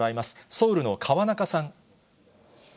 ソウルの河中さん。